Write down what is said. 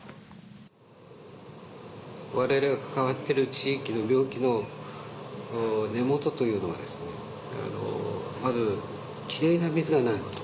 われわれが関わっている地域の病気の根元というのはまず、きれいな水がないこと。